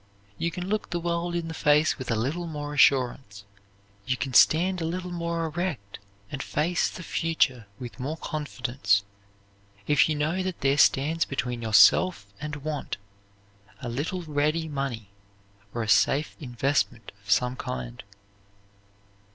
You can look the world in the face with a little more assurance, you can stand a little more erect and face the future with more confidence, if you know that there stands between yourself and want a little ready money or a safe investment of some kind.